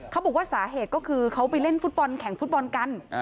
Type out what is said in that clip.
เขาบอกว่าสาเหตุก็คือเขาไปเล่นฟุตบอลแข่งฟุตบอลกัน